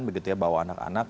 begitu ya bawa anak anak